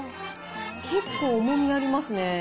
結構、重みありますね。